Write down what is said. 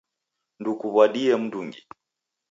Ndukuw'adie mndungi